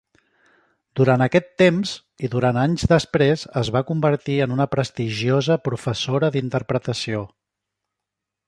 Durant aquest temps, i durant anys després, es va convertir en una prestigiosa professora d'interpretació.